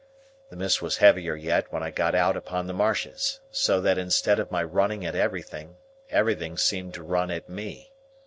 The mist was heavier yet when I got out upon the marshes, so that instead of my running at everything, everything seemed to run at me.